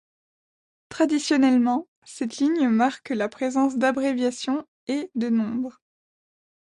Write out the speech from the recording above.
Traditionnellement, cette ligne marque la présence d'abréviations et de nombres.